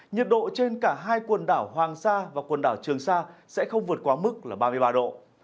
nhiệt độ trên cả hai quần đảo hoàng sa và quần đảo trường sa sẽ không vượt quá mức ba mươi ba độ